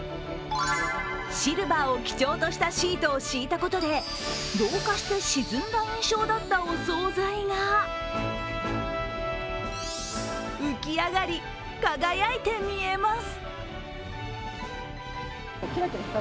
シルバーを基調としたシートを敷いたことで同化して沈んだ印象だったお総菜が浮き上がり輝いて見えます。